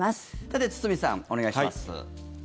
さて、堤さんお願いします。